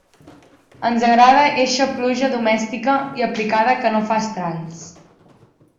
Ens agrada eixa pluja domèstica i aplicada que no fa estralls.